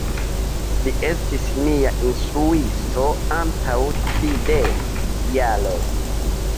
Vi estis mia instruisto, antaŭ tridek jaroj!